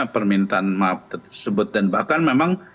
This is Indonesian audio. permintaan maaf tersebut dan bahkan memang